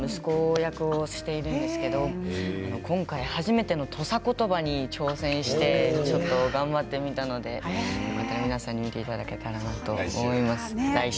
お遍路宿の息子役をやっているんですけど今回初めての土佐言葉に挑戦して頑張ってみたので皆さんに見ていただけたらいいと思います。